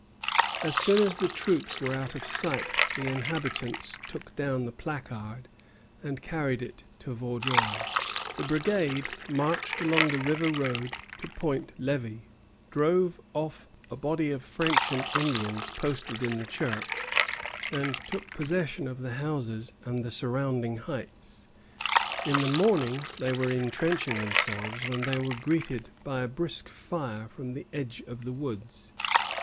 As soon as the troops were out of sight the inhabitants took down the placard and carried it to Vaudreuil. The brigade marched along the river road to Point Levi, drove off a body of French and Indians posted in the church, and took possession of the houses and the surrounding heights. In the morning they were intrenching themselves, when they were greeted by a brisk fire from the edge of the woods.